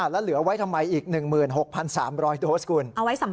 แล้วเหลือไว้ทำไมอีก๑๖๓๐๐โดสคุณ